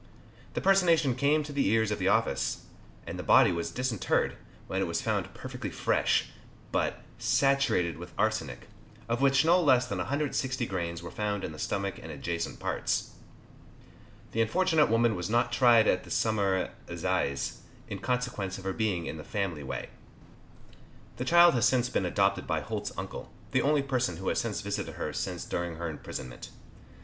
The personation came to the ears of the office, and the body was disinterred, when it was found perfectly fresh, but "saturated with arsenic," of which no less than 160 grains were found in the stomach and adjacent parts. The unfortunate woman was not tried at the Summer Assizes, in consequence of her being in the family way. The child has since been adopted by Holt's uncle, the only person who has visited her since during her imprisonment.